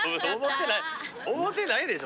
思ってないでしょ。